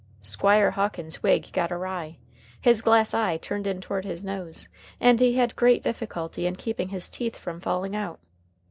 Squire Hawkins's wig got awry, his glass eye turned in toward his nose, and he had great difficulty in keeping his teeth from falling out.